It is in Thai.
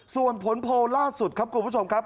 ส่วนผลโพลล่าสุดครับคุณผู้ชมครับ